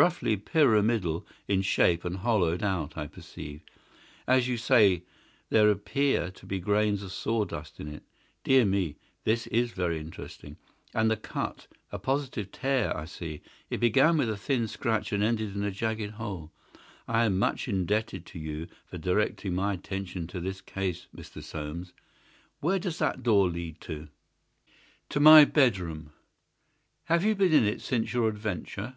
Roughly pyramidal in shape and hollowed out, I perceive. As you say, there appear to be grains of sawdust in it. Dear me, this is very interesting. And the cut—a positive tear, I see. It began with a thin scratch and ended in a jagged hole. I am much indebted to you for directing my attention to this case, Mr. Soames. Where does that door lead to?" "To my bedroom." "Have you been in it since your adventure?"